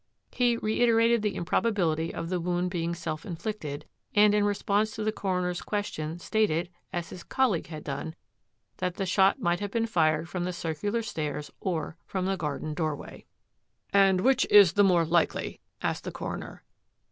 He reiterated the improbability of the wound being self inflicted, and in response to the coroner's question stated, as his colleague had done, that the shot might have been fired from the circular stairs or from the garden door way. THRUST AND PARRY 176 "And which is the more likely?" asked the coroner.